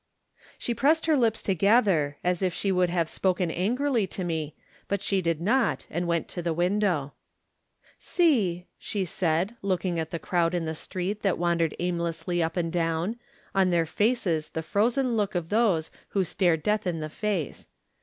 '* She pressed her lips together as if she would have spoken angrily to me, but she did not, and went to the window. "See," she said, looking at the crowd in the street that wandered aimlessly up and down, on their faces the frozen look of those who still stare death in the face.